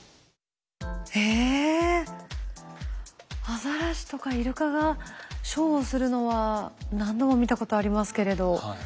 アザラシとかイルカがショーをするのは何度も見たことありますけれど。